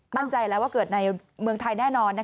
มั่นใจแล้วว่าเกิดในเมืองไทยแน่นอน